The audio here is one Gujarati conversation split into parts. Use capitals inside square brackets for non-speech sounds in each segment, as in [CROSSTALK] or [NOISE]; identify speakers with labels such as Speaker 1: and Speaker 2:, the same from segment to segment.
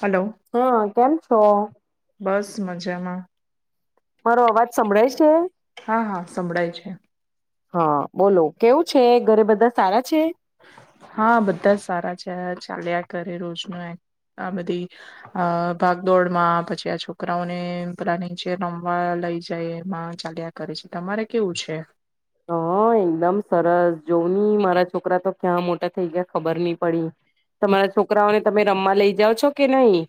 Speaker 1: હલો
Speaker 2: હ, કેમ છો?
Speaker 1: બસ મજામાં
Speaker 2: મારો અવાજ સંભળાય છે?
Speaker 1: હા હા સંભળાય છે
Speaker 2: હા બોલો કેવું છે ઘરે બધા સારા છે.
Speaker 1: હા બધા સારા છે, ચાલ્યા કરે રોજ ન આ બધી ભાગદોડમાં પછી આ છોકરાઓને પ્લાનિંગ છે રમવા લઈ જાય એમાં ચાલ્યા કરે છે. તમારે કેવું છે?
Speaker 2: હ એકદમ સરસ જોવ નહ મારા છોકરા તો ક્યાં મોટા થઈ ગયા ખબર નહી પડી. તમારા છોકરાઓને તમે રમવા લઈ જાાવ છો કે નહી?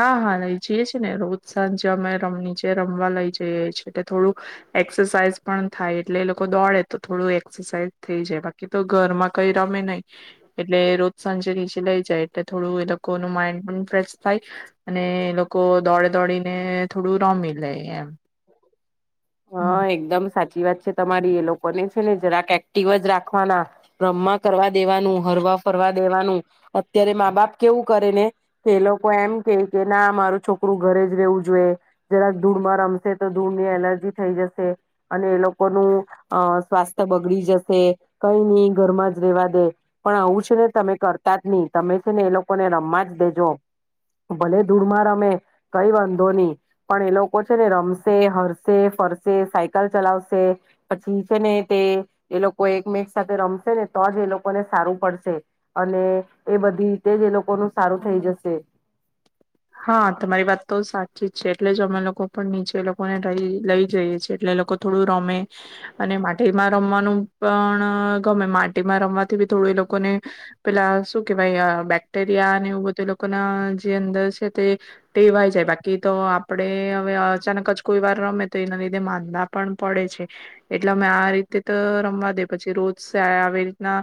Speaker 1: હા હા લઇ જઈએ છેીએ ને રોજ સાંજે અમે રમ નીચે રમવા લઇ જઈએ છીએ એટલે થોડું એક્સરસાાઈઝ પણ થાય એટલે એ લોકો દોડે તો થોડું એક્સરસાઈઝ થઈ જાય બાકી તો ઘરમાં કઈ રમે નહી એટલે રોજ સાંજે નીચે લઈ જાય. એટલે થોડું એ લોકોનું માઇન્ડ પણ ફેશ થાય અને એ લોકો દોડે દોડીને થોડું રમી લે એમ.
Speaker 2: હા એકદમ સાચ. ચી વાત છે તમારી એ લોકોને છે ને જરાક એક્ટિવ જ રાખવાના રમવા કરવા દેવાનું હરવા ફરવા દેવાનું અત્યારે મા બાપ કેવું કરે ને કે એ લોકો એમ કે કે ના મારું છોકરું ઘરે જ રહેેવું જોઈએ, જરાક ધૂળમાં રમશે તો ધૂળની એલર્જી થઈ જશે. અને એ લોકો ન સ્વાસ્થ્ય બગડી જશે કઈ નહી ઘરમાં જ રેવા દે પણ આવું છે ને તમે કરતા જ નહી તમે છે ને એ લોકોને રમવા જ દેજો ભલે ધૂળમાં રમે કઈ વાંધો નહી પણ એ લોકો છે ને રમશે હરસે ફરસે, સાયકલ ચલાવશે પછી છે ને તે એ લોકો એકમેક સાથે રમશે ને તો જ એ લોકોને સારું પડશે અને એ બધી રીતે જ એ લોકોનું સારું થઈ જશે.
Speaker 1: હા તમારી વાત તો સાચી છે. એટલે જ અમે લોકો પણ નીચે એ લોકોને રઈ લઈ જઈએ છીએ એટલે લોકો થોડું રમે અને માટીમાં રમવાનું પણ ગમે માટીમાં રમવાથી બી થોડ એ લોકોને પેલા શું કેહેવાય બેક્ટેરિયા એવું બધા લોકોના જે અંદર છે તે ટેવાય જાય. બાકી તો આપણેે હવે અચાનક જ કોઈ વાર રમે તો એના લીધે માંદા પણ પડે છે એટલે અમે આ રીતે તો રમવા દે પછી રોજ આવી રીતના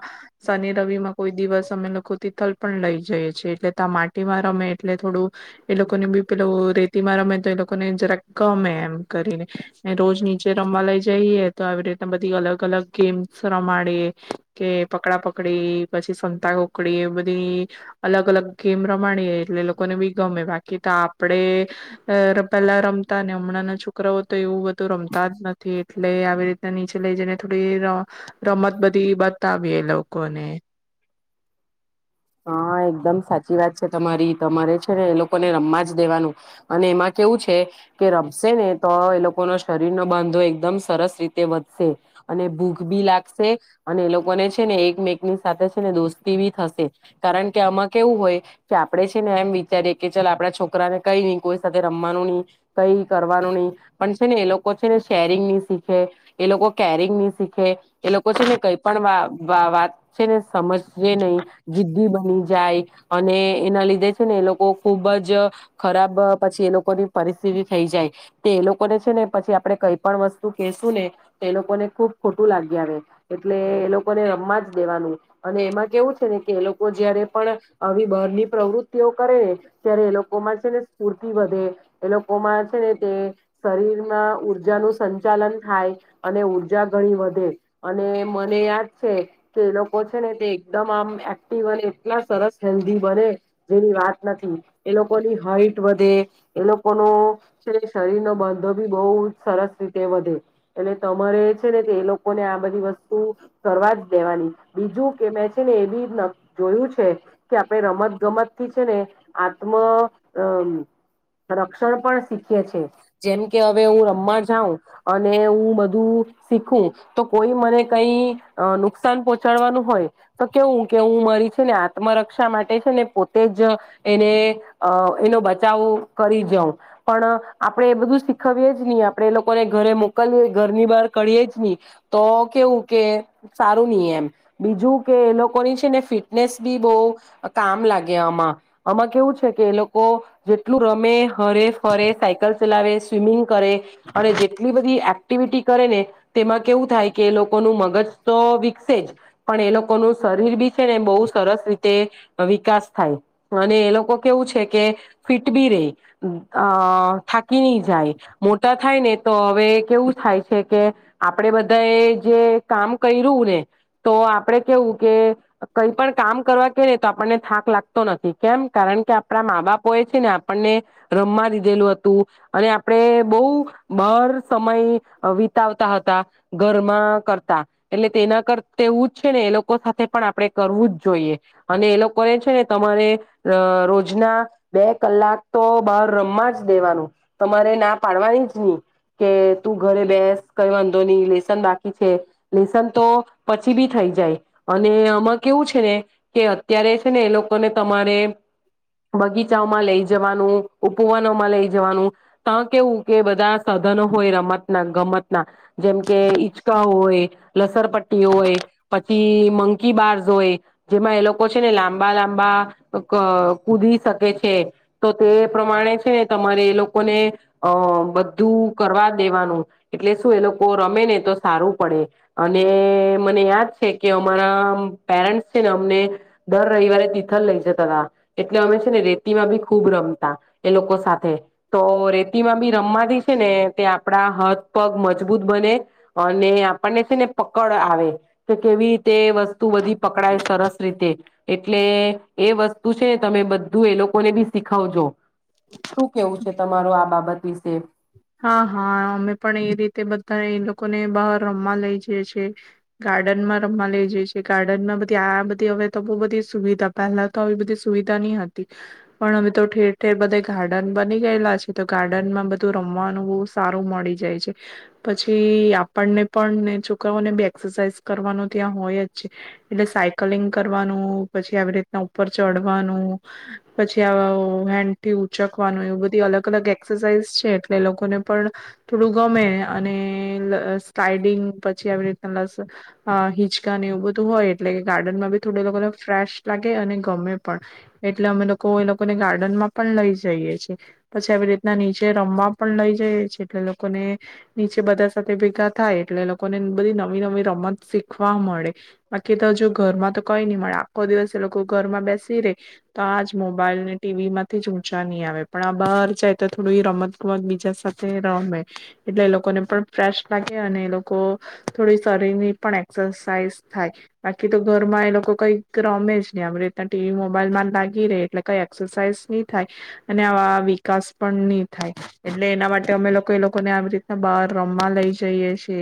Speaker 1: શનિ રવિ માં કોઈ દિવસ અમે લોકો તિથલ પણ લઈ જઈએ છીએ એટલે ત માટીમાં રમે એટલે થોડું એ લોકોને બી પેલૂ રેતીમાં રમે તો એ લોકોને જરા ગમે એમ કરીને ને રોજ નીચે રમવા લઈ જઈએ તો આવી રીતના બધી અલગ અલગ ગેમ્સ રમાડીએ કે પકડા પકડી પછી સંતા ગકડી બધી અલગ અલગ ગેમ રમાડીએ એટલે એ લોકોને બી ગમે. બાકી તો આપણેે પેલા રમતા ને હમણાં ના છોકરાઓ તો એવું બધું રમતા જ નથી એટલે આવી રીતના નીચે લઈ જઈને થોડી ર રમત બધી બતાવીએ લોકોને.
Speaker 2: હા એકદમ સાચી વાત છે, તમારી તમારે છે ને એ લોકોને રમવા જ દેવાનું અને એમાં કેવું છે કે રમશે ને તો એ લોકોનો શરીર નો બાંધો એકદમ સરસ રીતે વધશે અને ભૂખ બી લાગશે અને એ લોકોને છે ને એકમેકની સાથે છે ને દોસ્તી બી થશે. કારણ કે આમાં કેવું હોય કે આપે છે ને એમ વિચારીએ કે ચાલ આપણા છોકરાને કઈ નહી કોઈ સાથે રમવાનું નહી કઈ કરવાનું નહી પણ છે ને એ લોકો છે ને શેરિંગ નહી શીખે એ લોકો કેરિંગ ની શીખે એ લોકો છે ને કઈ પણ વા વા વાત છે ને સમજ જે નહી. જિદ્દી બની જાય અને એના લીધે છે ને એ લોકો ખુબ જ ખરાબ પછી એ લોકોની પરિસ્થિતિ થઈ જાય તો એ લોકોને છે ને પછી આપડે કઈ પણ વસ્તુ કેશું ને તો એ લોકોને ખુબ ખોટું લાગી આવે એટલે એ લોકોને રમવા જ દેવાનું અને એમાં કેવું છે ને કે એ લોકો જયારે પણ આવી બહારની પ્રવૃત્તિઓ કરે ને ત્યારે એ લોકોમાં છે ને સ્ફૂર્તિ વધે એ લોકોમાં છે ને તે શરીરમાં ઉઊર્જાનું સંચાલન થાય, અને ઉર્જા ઘણી વધે અને મને યાદ છે કે એ લોકો છે ને તે એકદમ આમ એક્ટ ટીવ એટલા સરસ હેલ્ધી બને જેની વાત નથી એ લોકોની હાઈટ વધે એ લોકોનો છે શરીર નો બંધો બી બહુ સરસ રીતે વધે એટલે તમારે છે ને કે એ લોકોને આ બધી વસ્તુ કરવા જ દેવાની બીજું કે મે છે ને એ બી જોયું છે કે આપણે રમત ગમતથી છે ને આત્મ અ રક્ષણ પણ શીખે છે. જેમ કે હવે હું રમવા જાઉં અને હું બધું શીખું તો કોઈ મને કઈ નુકસાન પહચાડવાનું હોય તો કેવું કે હું મરી છે ને આત્મરક્ષા માટે છે ને પોતે જ એને અ એનો બચાવ કરી જાઉં પણ આપણે એ બધું શીખવીએ જ નહી આપણે એ લોકોને ઘરે મોકલીવીએ ઘરની બહાર કરીએ જ નહી તો કેવું કે સારું નહી એમ. બીજું કે એ લોકો લોકોની છે ને ફિટનેસ બી બહ કામ લાગે આમાં આમાં કેવું છે કે એ લોકો જેટલું રમે હરે ફરે સાયકલ ચલાવે સ્વિમિંગ કરે અને જેટલી બધી એક્ટિવિટી કરે ને તેમાં કેવું થાય કે એ લોકોનું મગજ તો વિકસે જ પણ એ લોકોનું શરીર બી છે ને બહુ સરસ રીત તે વિકાસ થાય. અને એ લોકો કેવું છે કે ફિટ બી રેય, અહ થાકી નહી જાય, મોટા થાય ને તો હવે કેવું થાય છે કે આપડે બધા એ જે કામ કર્યું ને તો આપડે કેવું કે કઈ પણ કામ કરવા કેય તો આપણને થાક લાગતો નથી કેમ કારણ કે આપણા મા બાપોએ છે ને આપણને રમવા દીધેલું હતું અને આપણે બહું બાર સમય વિતાવતા હતા ઘરમાં કરતા, એટલે તેના કરત તેવું જ છે ને એ લોક સાથે પણ આપણે કરવું જ જોઈએ, અને એ લોકોએ છે ને તમારે અહ રોજના બે કલાક તો બાર રમવા જ દેવાનું, તમારે ના પાડવાની જ નહી. કે તું ઘરે બેસ, કઈ વાંધો નહી લેસન બાકી છે, લેસન તો પછી બી થઈ જાય. અને આમાં કેવું છે ને કે અત્યારે છે ને એ લોકોને તમારે બગીચામાં લઈ જવાનું, ઉપવનોમાં લઈ જવાનું, તા કેવું કે બધા સાધનો હોય રમત ના ગમત ના જેમકે હિચકા હોય, લસર પટ્ટી હોય, પછી મંકી બારઝ હોય જેમાં એ લોકો છે ને લાંબા-લાંબા ક અહ કૂદી શકે છે, તો તે પ્રમાણે છે ને તમારે એ લોકોને અહ બધું કરવા જ દેવાનું, એટલે શું એ લોકો રમે ને તો સારું પડે, અને મને યાદ છે કે અમ રા પેરેન્ટસ છે ને અમને દર રઈવારે તિથલ લઈ જતા હતા, એટલે અમે છે ને રેતીમાં બી ખુબ રમતા એ લોકો સાથે. તો રેતીમાં બી રમવાથી છે ને તે આપડા હથ પગ મજબૂત બને અને આપણને છે ને પકડ આવે તે કેવી તે વસ્તુ બધી પકડાય સરસ રીતે, એટલે એ વસ્તુ છે તમે બધું એ લોકોને બી શીખાવજો. શું કેવું છે તમારો આ બાબત? વિશે
Speaker 1: હા, હા અમે પણ એ રીતે બધા ઈ લોકોને બહાર રમવા લઈ જઈ છીએ. ગાર્ડનમાં રમવા લઈ જઈ છી, ગાર્ડનમાં બધી આ બધી હવે તો બહુ બધી સુવિધા પહેલા તો આવી બધી સુવિધા નહી હતી પણ હવે તો ઠેર-ઠેર બધેય ગાર્ડન બની ગયેલા છે, તો ગાર્ડનમાં બધ ધું રમવાનું બહું સારું મળી જાય છે. પછી આપણને પણને છોકરાઓને બી એક્સરસાઇઝ કરવાનું ત્યાં હોય જ છે, એટલે સાયકલિંગ કરવાનું, પછી આવી રીતના ઉપર ચડવાનું પછી આવ હેન્ડ થી ઉચકવાનું એ બધી અલગ અલગ એક્સરસાઇઝ [UNINTELLIGIBLE] એટલે લોકોને પણ થોડું ગમે અને લ અહ સ્લાઈડિંગ પછી આવી રીતના લસ અહ હિચકા એવું બધું હોય એટલે કે ગાર્ડનમાં બી થોડો એ લોકોને ફ્રેશ લાગે અને ગમે પણ, એટલે અમે લોકો એ લોકોને ગાર્ડન માં પણ લઈ જઈએ છીએ. પછી આવી રીતના નીચ ચે જે રમવા પણ લઈ જઈએ છી. એટલે લોકોને નીચે બધા સાથે ભેગા થાય એટલે લોકોને બધી નવી નવી રમત શીખવા મળે, બાકી તો હજુ ઘરમાં તો કઈ નહી મળે, આખો દિવસે એ લોકો ઘરમાં બેસી રે, તો આજ મોબાઈલ ને ટીવી માંથી જ ઊંચા નહી આવે, પણ આ બહાર જાય તો થ થોડી રમત ગમત બીજા સાથે રમે એટલે એ લોકોને પણ ફ્રેશ લાગે અને એ લોકો થોડી શરીરની પણ એક્સરસાઇઝ થાય, બાકી તો ઘર માં એ લોકો કંઈક રમે જ નહી આવી રીતના ટીવી મોબાઈલમાં જ લાગી રહે એટલે કઈ એક્સરસાઈઝ નહી થાય અને આવા વિકાસ પણ નહી થાય, એટલે એના માટે અમે લોકો એ લોકોને આવી રીતના બહાર રમવા લઈ જઈએ છે,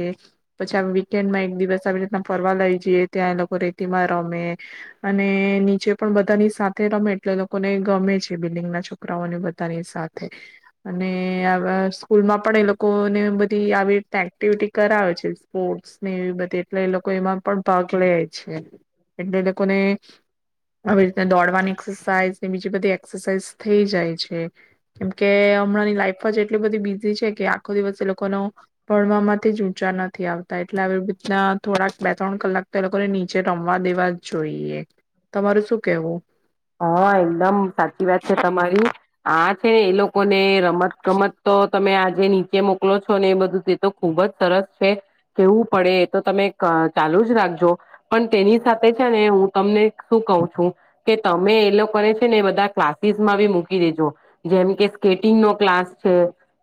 Speaker 1: પછી આવા વીકેન્ડ માં એક દિવસ આવી રીતના ફરવા લઈ જઈએ ત્યાં એ લોકો રેતીમાં રમે, અને નીચે પણ બધાની સાથે રમે એટલે એ લોકોને ગમે છે બિલ્ડંગમાં છોકરાઓને બધાની સાથ થે અને અહ સ્કૂલમાં પણ એ લોકોને બધી આવી એક્ટિવિટી કરાવે છે, સ્પોર્ટ્સ ને એવી બધી એટલે એ લોકો એમાં પણ ભાગ લે. છે એટલે એ લોકોને આવી રીતના દોડવાની એક્સરસાઇઝ, કે બીજી બધી એક્સરસાઇઝ થઈ જાય છે. કેમ કે હમણાંની લાઈફ જ એટલી બધી બીઝી છે, કે આખો દિવસ એ લોકોનો ભણવામાંથી જ ઊંચા નથી આવતા એટલે આવી રીતના થોડાક બે ત્રણ કલાક તો એ લોકોને નીચે રમવા દેવા જ જોઈએ. તમારું શું કેવું?
Speaker 2: હા હા તે એ લોક લોકોને રમત ગમત તો તમે આ ની નીચે મોકલો છો ને એ બધું તે તો ખુબ જ સરસ છે. કેવું પડે એ તો તમે ક ચાલુ જ રાખજો પણ તેની સાથે છે ને હું તમને શું કઉ છું કે તમે એ લોકોને છે ને બધા ક્લાસીસમાં બી મૂકી દેજો જેમ કે સ્કેટિંગનો ક્લાસ છે,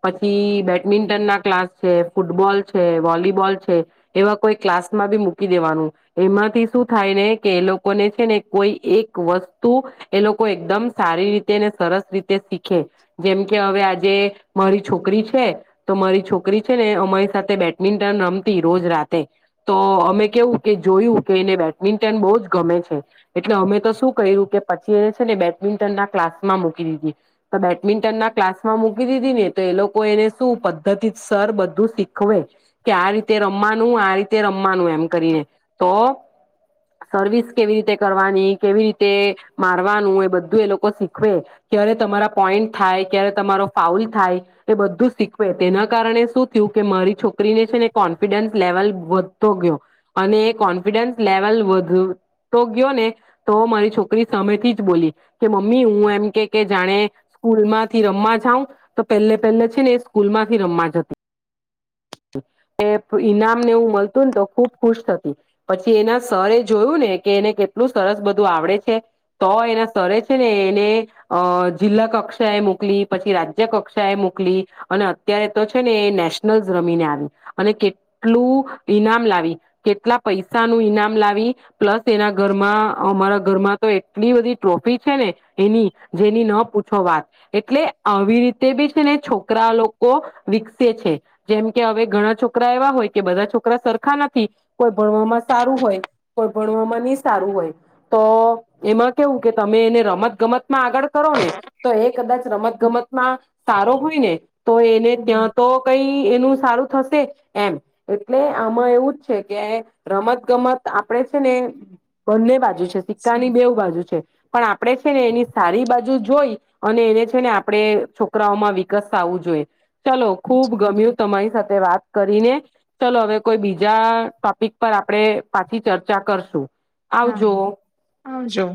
Speaker 2: પછી બેડમિન્ટન ના ક્લાસ છે, ફૂટબોલ છે, વોલીબોલ છે, એવા કોઈ ક્લાસમાં બી મૂકી દેવાનું, એમાંથી શું થાય રે કે એ લોકોને છે ને કોઈ એક વસ્તુ એ લોકો એકદમ સારી રીતે, ને સરસ રીતે શીખે જેમ કે હવે આજે મારી છોકરી છે, તો મારી છોકરી છે ને અમારી સાથે બેડમિન્ટન રમતી રોજ રાતે, તો અમે કેવું કે જોયું કે એને બેડમિન્ટન બહુ જ ગમે છે એટલે અમે તો શું કર્યું કે પછી એને છે ને બેડમિન્ટન ના ક્લાસમાં મૂકી દીધી, તો બેડમિન્ટન ના ક્લાસમાં મૂકી દીધી ને તો એ લોકો એને શું પદ્ધતિ સર બધું શીખવે જ, કે આ રીતે રમવાનું, આ રીતે રમવાનું એમ કરીને, તો સર્વિસ કેવી રીતે કરવાની, કેવી રીત તે મારવાનું, એ બધું એ લોકો જ શીખવે. ક્યારે તમારા પોઈન્ટ થાય, ક્યારે તમારો ફાઉલ થાય, એ બધું શીખવે તેના કારણે શું થયું કે મારી છોકરીને છે ને કોન્ફિડન્સ લેવલ વધતો ગયો અને કોન્ફિડન્સ લેવલ વધતો ગયો ને તો મારી છો કરી સામેથી જ બોલી કે મમ્મી હું એમ કે કે જાણે સ્કૂલમાંથી રમવા જાઉં તો પહેલ-પહેલે છે ને એ સ્કૂલ માંથી રમવા જતી, એ ઈનામને હું મળતું ને તો ખુબ ખુશ થતી, પછી એના સર એ જોયું ને કે એને કેટલું સરસ બધું આવડે છ છે તો એના સરે છે છે ને એને અહ જિલ્લા કક્ષા એ મોકલી, પછી રાજ્ય કક્ષા એ મોકલી અને અત્યારે તો છે ને એ નેશનલસ રમીને આવી અને કેટલું ઈનામ લાવી, કેટલા પૈસાનું ઈનામ લાવી પ્લસ એના ઘરમાં અમારા ઘરમાં તો એટલી બધી ટ્રોફી છે ને એની, જેની ન પૂછો વાત, એટલે આવી રીતે બી છે ને છોકરા લોકો વિકસે છે. જેમ કે હવે ઘણા છોકરા એવા હોય કે બધા છોકરા સરખા નથી, કોઈ ભણવામાં સારું હોય, કોઈ ભણવામાં ની સારું હોય તો એમાં કેવું કે તમે એને રમત ગમત માં આગળ કરો ને તો એ કદાચ રમત ગમતમાં સારો હોય ને તો એને ત્યાં તો કઈ એનું સારું થશે એમ, એટલે આમાં એવું જ છે કે રમત ગમત આપડે છે ને બંને બાજુ સિક્કા ની બેઉ બાજુ છે. પણ આપ પણેે છે ને એની સારી બાજુ જ જોઈ અને એને છે ને આપણે છોકરાઓમાં વિકસ થાઉ જોઈ. ચલો ખુબ ગમ્યું તમારી સાથ વાત કરીને ચલો હવે કોઈ બીજા ટોપિક પર આપણે પાછી ચર્ચા કરશું.
Speaker 1: હા
Speaker 2: આવજો.
Speaker 1: આવજો.